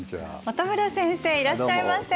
本村先生いらっしゃいませ。